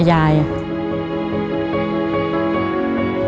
มีตัวตอขยาย